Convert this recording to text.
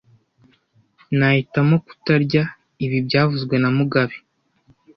Nahitamo kutarya ibi byavuzwe na mugabe